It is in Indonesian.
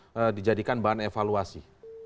bagaimana menjadikan bahan evaluasi